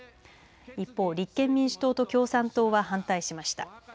一方、立憲民主党と共産党は反対しました。